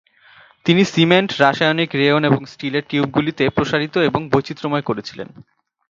তিনি সিমেন্ট, রাসায়নিক, রেয়ন এবং স্টিলের টিউবগুলিতে প্রসারিত এবং বৈচিত্র্যময় করেছিলেন।